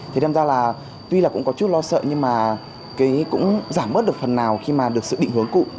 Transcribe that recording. thì đem ra là tuy là cũng có chút lo sợ nhưng mà cũng giảm bớt được phần nào khi mà được sự định hướng cụ